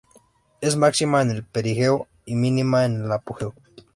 Es máxima en el perigeo y mínima en el apogeo.